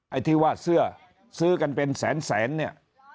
ไอ้ที่วาดเสื้อซื้อกันเป็นแสนเนี่ย